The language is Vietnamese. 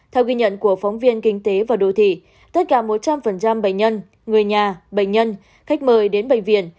theo ghi nhận của phóng viên kinh tế và đô thị tất cả một trăm linh bệnh nhân người nhà bệnh nhân khách mời đến bệnh viện